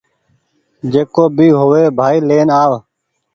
جڪو بي هووي ڀآئي لين آو